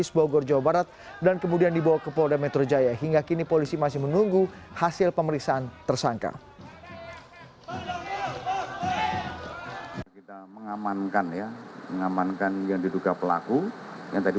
saya tahu bahasa betawinya sudah lama banget